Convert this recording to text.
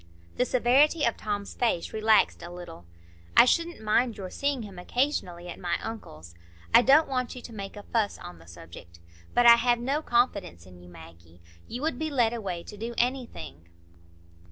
The severity of Tom's face relaxed a little. "I shouldn't mind your seeing him occasionally at my uncle's—I don't want you to make a fuss on the subject. But I have no confidence in you, Maggie. You would be led away to do anything."